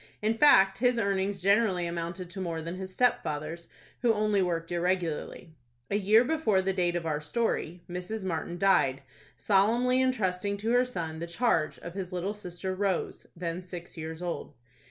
In fact, his earnings generally amounted to more than his stepfather's, who only worked irregularly. A year before the date of our story, Mrs. Martin died, solemnly intrusting to her son the charge of his little sister Rose, then six years old.